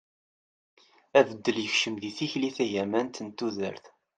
abeddel yekcem deg tikli tagamant n tudert